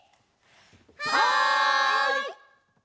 はい！